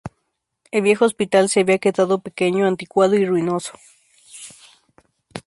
El viejo hospital se había quedado pequeño, anticuado y ruinoso.